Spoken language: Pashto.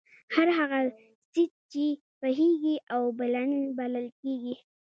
هر هغه څيز چې بهېږي، اوبلن بلل کيږي